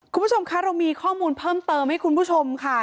คุณผู้ชมคะเรามีข้อมูลเพิ่มเติมให้คุณผู้ชมค่ะ